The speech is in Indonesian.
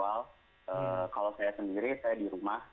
kalau saya sendiri saya di rumah